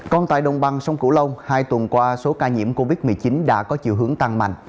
còn tại đồng bằng sông cửu long hai tuần qua số ca nhiễm covid một mươi chín đã có chiều hướng tăng mạnh